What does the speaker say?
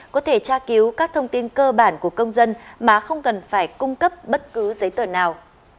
có thể tra cứu các thông tin cơ bản của công dân mà không cần phải cung cấp bất cứ giấy tờ nào